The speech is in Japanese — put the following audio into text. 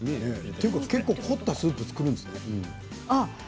結構、凝ったスープを作るんですね。